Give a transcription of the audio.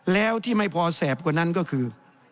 แล้วที่ไม่พอแสบกว่านั้นก็คือ